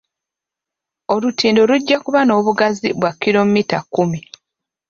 Olutindo lujja kuba n'obugazi bwa kkiromita kkumi.